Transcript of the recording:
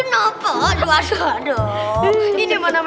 ini yang mana mana sungguh basah